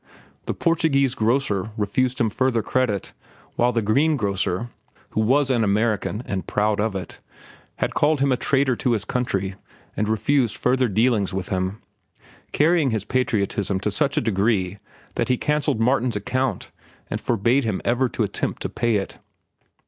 The Portuguese grocer refused him further credit, while the greengrocer, who was an American and proud of it, had called him a traitor to his country and refused further dealings with him—carrying his patriotism to such a degree that he cancelled Martin's account and forbade him ever to attempt to pay it.